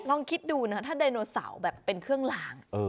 ลองคิดดูนะถ้าไดโนเสาร์แบบเป็นเครื่องล้าง